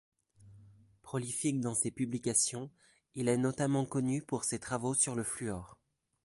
Prolifique dans ses publications, il est notamment connu pour ses travaux sur le fluor.